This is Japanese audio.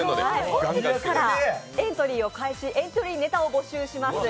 本日からエントリーを開始、エントリーネタを募集いたします。